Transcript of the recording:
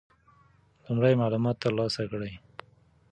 لومړی معلومات ترلاسه کړئ.